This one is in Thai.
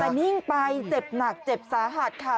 แต่นิ่งไปเจ็บหนักเจ็บสาหัสค่ะ